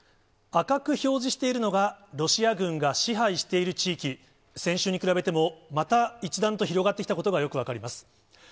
赤く表示しているのが、ロシア軍が支配している地域、先週に比べてもまた一段と広がってきたことがよく分かります。